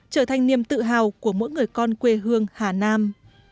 trở thành niềm tự hào của mỗi người con quê hương hà nam